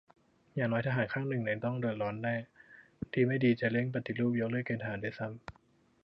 อย่างน้อยทหารข้างในต้องเดือดร้อนแน่ ดีไม่ดี จะเร่งปฏิรูปยกเลิกเกณฑ์ทหารด้วยซ้ำ